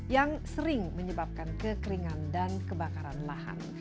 yang sering menyebabkan kekeringan dan kebakaran lahan